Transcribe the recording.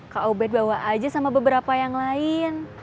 kak ubed bawa aja sama beberapa yang lain